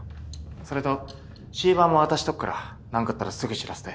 それとシーバーも渡しとくからなんかあったらすぐ知らせて。